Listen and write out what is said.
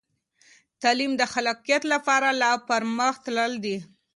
تعلیم د خلاقیت لپاره لا پرمخ تللی دی.